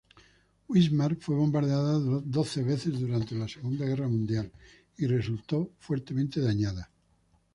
Wismar fue bombardeada doce veces durante la Segunda Guerra Mundial y resultó fuertemente dañada.